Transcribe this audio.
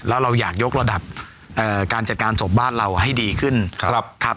แล้วเราอยากยกระดับการจัดการศพบ้านเราให้ดีขึ้นครับ